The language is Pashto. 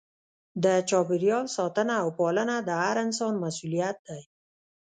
د چاپیریال ساتنه او پالنه د هر انسان مسؤلیت دی.